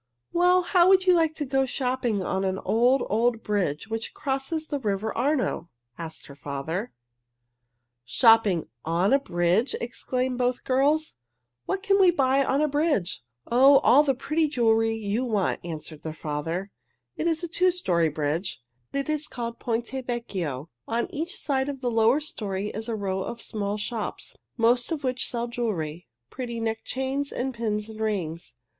"Well, how would you like to go shopping on an old, old bridge which crosses the river Arno?" asked her father. [Illustration: The Ponte Vecchio, where the Sunbonnet Babies went shopping] "Shopping on a bridge!" exclaimed both little girls. "What can we buy on a bridge?" "Oh, all the pretty jewelry you want," answered their father. "It is a two story bridge. It is called Ponte Vecchio. On each side of the lower story is a row of small shops, most of which sell jewelry pretty neck chains and pins and rings.